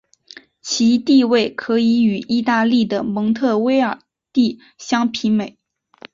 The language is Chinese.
其地位可以与意大利的蒙特威尔第相媲美。